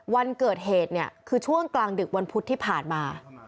วันเกิดเหตุเนี่ยคือช่วงกลางดึกวันพุธที่ผ่านมา